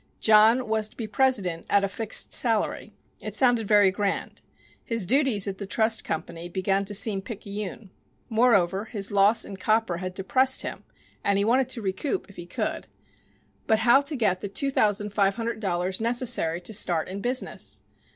John was to be president at "a fixed salary." It sounded very grand. His duties at the trust company began to seem picayune. Moreover, his loss in copper had depressed him and he wanted to recoup, if he could. But how to get the two thousand five hundred dollars necessary to start in business?